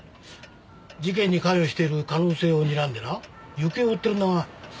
事件に関与してる可能性をにらんでな行方を追ってるんだが。